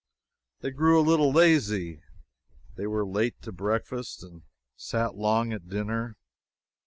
They grew a little lazy. They were late to breakfast and sat long at dinner.